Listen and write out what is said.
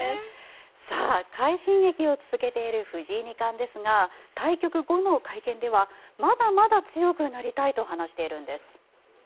さあ、快進撃を続けている藤井二冠ですが対局後の会見ではまだまだ強くなりたいと話しているんです。